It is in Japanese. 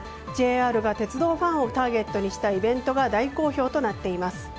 ＪＲが鉄道ファンをターゲットにしたイベントが大好評となっています。